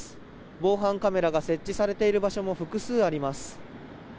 防犯カメラが設置されている場所も複数あります。